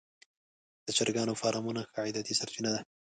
د چرګانو فارمونه ښه عایداتي سرچینه ده.